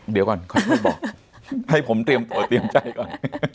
เดี๋ยวก่อนค่อยบอกให้ผมเตรียมตัวเตรียมใจก่อน